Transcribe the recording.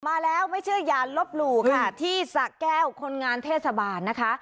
มาแล้วไม่เชื่ออย่าลบหลู่ค่ะที่สะแก้วคนงานเทศบาลนะคะ